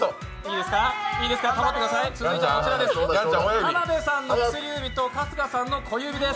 田辺さんの薬指と春日さんの小指です。